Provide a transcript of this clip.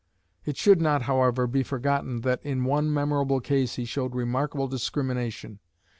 It should not, however, be forgotten that in one memorable case he showed remarkable discrimination.